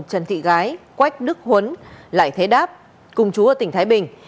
trần thị gái quách đức huấn lại thế đáp cùng chú ở tỉnh thái bình